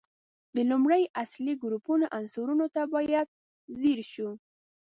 د لومړي اصلي ګروپ عنصرونو ته باید ځیر شو.